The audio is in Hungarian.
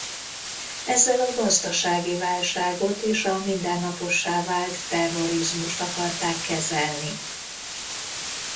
Ezzel a gazdasági válságot és a mindennapossá vált terrorizmust akarták kezelni.